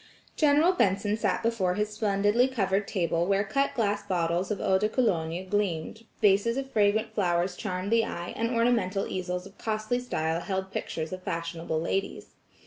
General Benson sat before his splendidly covered table where cut glass bottles of eau de cologne gleamed, vases of fragrant flowers charmed the eye, and ornamental easels of costly style held pictures of fashionable ladies.